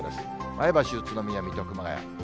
前橋、宇都宮、水戸、熊谷。